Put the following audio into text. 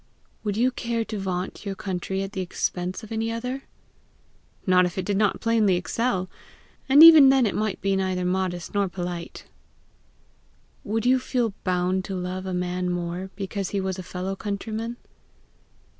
"Would you care to vaunt your country at the expense of any other?" "Not if it did not plainly excel and even then it might be neither modest nor polite!" "Would you feel bound to love a man more because he was a fellow countryman?"